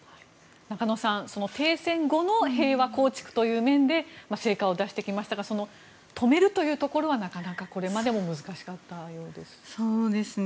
中野さん停戦後の平和構築という面で成果を出してきましたが止めるというところはなかなかこれまでも難しかったようですね。